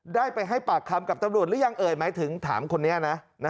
ได้ไปให้ปากคำกับตำรวจหรือยังเอ่ยหมายถึงถามคนนี้นะ